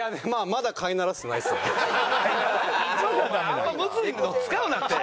あんまりむずいの使うなって！